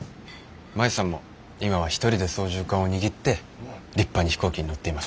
舞さんも今は一人で操縦かんを握って立派に飛行機に乗っています。